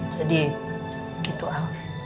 jadi gitu al